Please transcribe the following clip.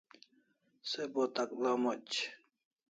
Se bo takla moch